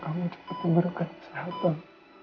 kamu cepat cepat berhubungan